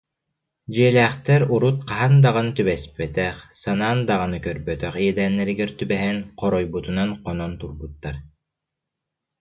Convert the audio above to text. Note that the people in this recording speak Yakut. Дьиэлээхтэр урут хаһан даҕаны түбэспэтэх, санаан даҕаны көрбөтөх иэдээннэригэр түбэһэн, хоройбутунан хонон турбуттар